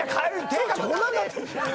手がこんなんなってるじゃん！